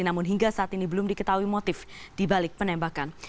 namun hingga saat ini belum diketahui motif dibalik penembakan